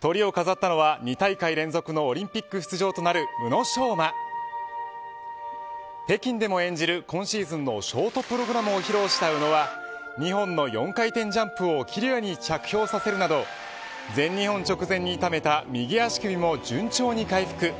トリを飾ったのは２大会連続のオリンピック出場となる北京でも演じる今シーズンのショートプログラムを披露した宇野は２本の４回転ジャンプをきれいに着氷させるなど全日本直前に痛めた右足首も順調に回復。